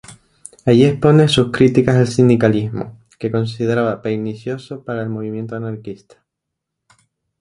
Allí expone sus críticas al sindicalismo, que consideraba pernicioso para el movimiento anarquista.